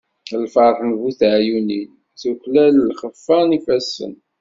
Lferḥ n bu teɛyunin, yuklal lxeffa n yifassen.